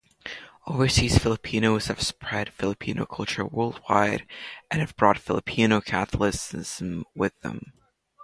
Overseas Filipinos have spread Filipino culture worldwide, and have brought Filipino Catholicism with them.